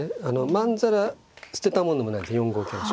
まんざら捨てたもんでもないんです４五桂。